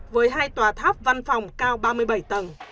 với hai tòa tháp văn phòng cao ba mươi bảy tầng